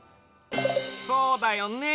そうだよね。